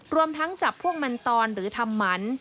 รวมทั้งจับพวกมันตอนหรือทำหมัน